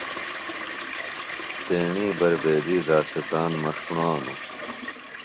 تیݨی بربیدی داستان مہ ݜوڻانوۡ۔